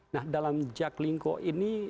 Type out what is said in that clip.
nah dalam jaklinko ini